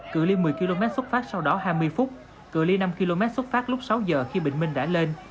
cửa ly một mươi km xuất phát sau đó hai mươi phút cửa ly năm km xuất phát lúc sáu giờ khi bình minh đã lên